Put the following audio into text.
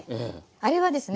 あれはですね